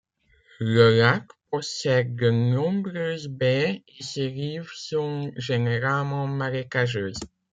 Le lac possède de nombreuses baies et ses rives sont généralement marécageuses.